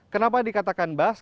kenapa dikatakan bas